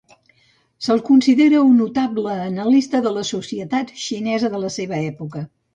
Se'l considera un notable analista de la societat xinesa de la seva època.